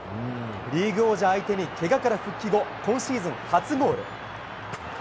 リーグ王者相手にけがから復帰後今シーズン初ゴール。